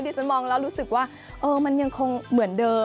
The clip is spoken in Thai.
ฉันมองแล้วรู้สึกว่ามันยังคงเหมือนเดิม